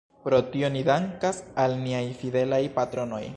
Pro tio ni dankas al niaj fidelaj patronoj.